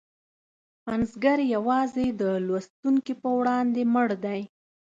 پنځګر یوازې د لوستونکي په وړاندې مړ دی.